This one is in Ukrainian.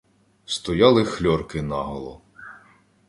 Стояли хльорки наголо.